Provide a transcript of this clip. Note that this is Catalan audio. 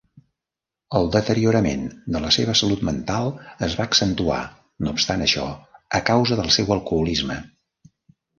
El deteriorament de la seva salut mental es va accentuar, no obstant això, a causa del seu alcoholisme.